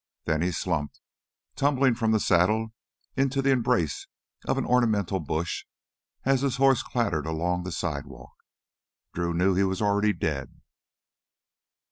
Then he slumped, tumbling from the saddle into the embrace of an ornamental bush as his horse clattered along the sidewalk. Drew knew he was already dead.